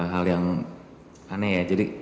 hal yang aneh ya jadi